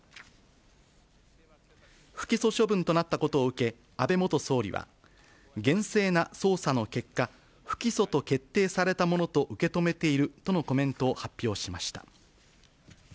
不起訴処分となったことを受け、安倍元総理は、厳正な捜査の結果、不起訴と決定されたものと受け止めているとのコメントを発表しました。